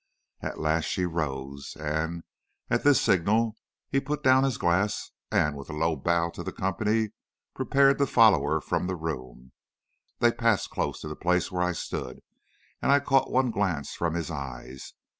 At last she rose, and, at this signal, he put down his glass, and, with a low bow to the company, prepared to follow her from the room. They passed close to the place where I stood, and I caught one glance from his eyes.